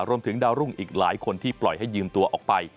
รวมถึงดาวรุ่งอีกหลายคนที่ปล่อยให้ยืมตัวออกไป